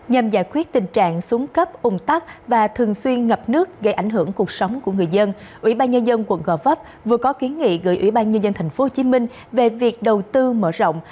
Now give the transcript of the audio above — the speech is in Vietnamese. nhằm giải quyết tình trạng súng cấp ung tắc và thường xuyên ngập nước gây ảnh hưởng cuộc sống của người dân ủy ban nhân dân quận gò vấp vừa có ký nghị gửi ủy ban nhân dân thành phố hồ chí minh về việc đầu tư mở rộng